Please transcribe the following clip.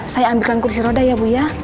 saya ambilkan kursi roda ya bu ya